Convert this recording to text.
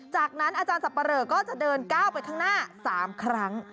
จากนั้นอาจารย์สับปะเหลอก็จะเดินก้าวไปข้างหน้า๓ครั้ง